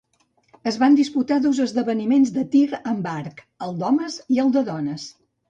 Es van disputar dos esdeveniments de tir amb arc: el d'homes i el de dones.